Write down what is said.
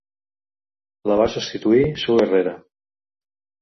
La va substituir Sue Herera.